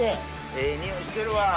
ええ匂いしてるわ。